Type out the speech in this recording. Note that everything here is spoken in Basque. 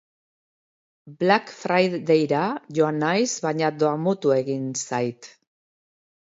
Black Friday-ra joan naiz baina damutu egin zait.